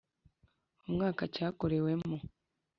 umwaka cyakorewemo